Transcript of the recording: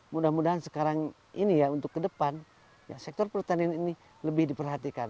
mudah mudahan sekarang ini ya untuk ke depan sektor pertanian ini lebih diperhatikan